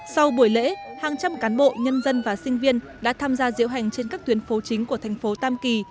sau buổi lễ hàng trăm cán bộ nhân dân và sinh viên đã tham gia diễu hành trên các tuyến phố chính của thành phố tam kỳ